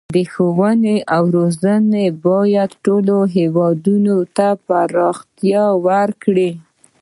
د ښوونې او روزنې نظام باید ټول هیواد ته پراختیا ورکړي.